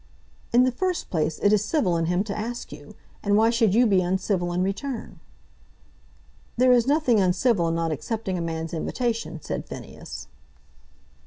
"In the first place it is civil in him to ask you, and why should you be uncivil in return?" "There is nothing uncivil in not accepting a man's invitation," said Phineas.